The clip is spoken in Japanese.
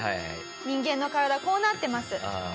人間の体はこうなっています。